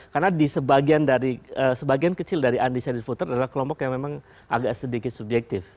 karena di sebagian dari sebagian kecil dari undecided voter adalah kelompok yang memang agak sedikit subjektif